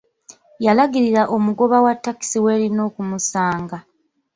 Yalagirira omugoba wa takisi welina okumusanga.